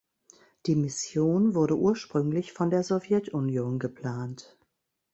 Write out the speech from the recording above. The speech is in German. Die Mission wurde ursprünglich von der Sowjetunion geplant.